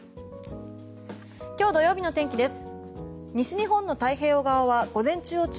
明日日曜日の天気です。